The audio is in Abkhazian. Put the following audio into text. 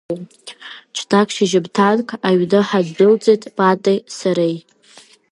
Ҽнак шьыжьымҭанк аҩны ҳандәылҵит Матеи сареи.